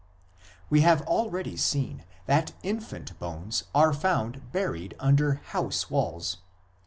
We have already seen that infant bones are found buried under house walls.